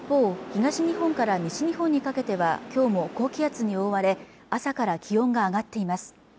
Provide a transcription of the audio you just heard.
東日本から西日本にかけてはきょうも高気圧に覆われ朝から気温が上がっています